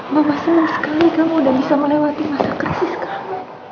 bapak senang sekali kamu udah bisa melewati masa krisis kamu